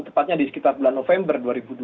tepatnya di sekitar bulan november dua ribu dua puluh